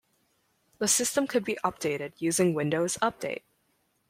The system could be updated using Windows Update.